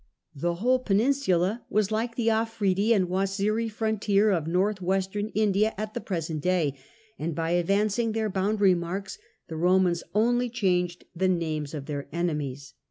The whole peninsula was like the Afridi and Waziri frontier of North Western India at the present day, and by advancing their boundary marks the Romans only changed the names of their enemies.